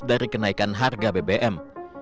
dan harga bbm